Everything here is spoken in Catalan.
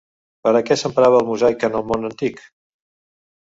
Per a què s'emprava el mosaic en el món antic?